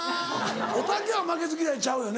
おたけは負けず嫌いちゃうよね？